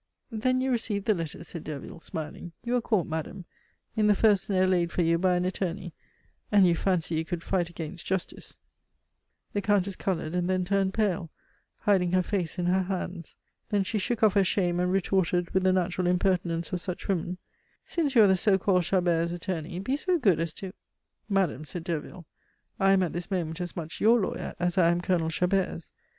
"Then you received the letter," said Derville, smiling. "You are caught, madame, in the first snare laid for you by an attorney, and you fancy you could fight against Justice " The Countess colored, and then turned pale, hiding her face in her hands. Then she shook off her shame, and retorted with the natural impertinence of such women, "Since you are the so called Chabert's attorney, be so good as to " "Madame," said Derville, "I am at this moment as much your lawyer as I am Colonel Chabert's.